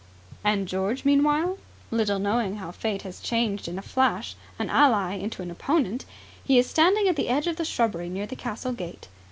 And George meanwhile? Little knowing how Fate has changed in a flash an ally into an opponent he is standing at the edge of the shrubbery near the castle gate.